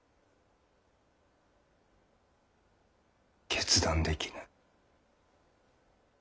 決断できぬ。